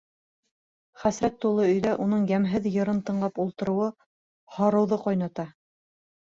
Хәсрәт тулы өйҙә уның йәмһеҙ йырын тыңлап ултырыуы һарыуҙы ҡайната.